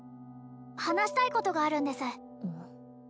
話したいことがあるんです